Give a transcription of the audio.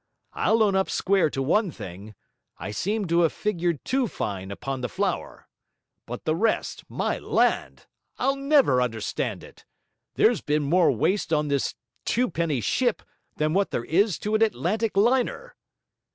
I'll own up square to one thing: I seem to have figured too fine upon the flour. But the rest my land! I'll never understand it! There's been more waste on this twopenny ship than what there is to an Atlantic Liner.'